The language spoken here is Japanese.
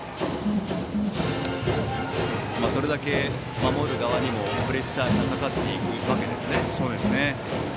それだけ守る側にもプレッシャーがかかるわけですね。